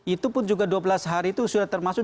itu pun juga dua belas hari itu sudah termasuk